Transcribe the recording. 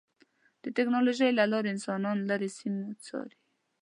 د ټکنالوجۍ له لارې انسانان لرې سیمې څاري.